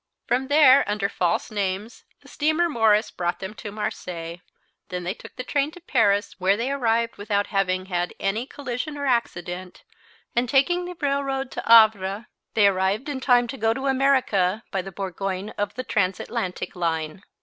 From there under false names the steamer Morris brought them to Marseilles; then they took the train to Paris, where they arrived without having had any collision or accident, and taking the railroad to Havre they arrived in time to go to America by the Bourgogne of the Transatlantic line.